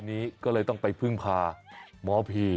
นี้ก็เลยต้องไปพึ่งพาหมอผี